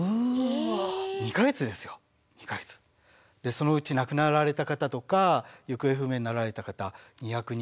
そのうち亡くなられた方とか行方不明になられた方２２８人。